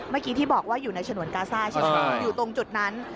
เมื่อกี้ที่บอกว่าอยู่ในฉนวนกาซ่าใช่ไหมอยู่ตรงจุดนั้น